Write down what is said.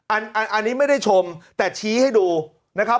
อันนี้ไม่ได้ชมแต่ชี้ให้ดูนะครับ